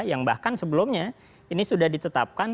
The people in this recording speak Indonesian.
yang bahkan sebelumnya ini sudah ditetapkan